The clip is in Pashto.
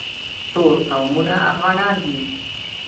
ټول قومونه افغانان دي